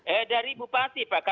eh dari bupati pak